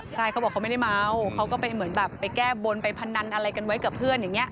ใช่เขาบอกว่าเขาไม่ได้เมาเขาก็ไปแก้บนไปพนันอะไรกันไว้กับเพื่อนอย่างนี้